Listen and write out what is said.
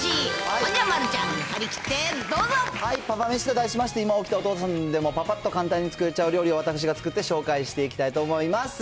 ほんじゃ丸ちゃん、パパめしと題しまして、今起きたお父さんでもぱぱっと簡単に作れちゃう料理を私が作って紹介していきたいと思います。